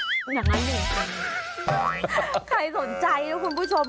อย่างนั้นหนึ่งใครสนใจแล้วคุณผู้ชม